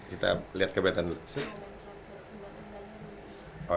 kita lihat kebetulan dulu